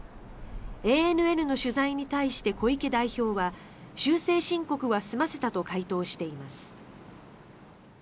ＡＮＮの取材に対して小池代表は修正申告は済ませたと回答しています。